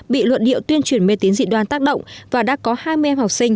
bị luận điệu tuyên truyền mê tín dị đoan tác động và đã có hai mươi em học sinh